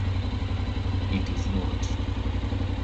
It is not.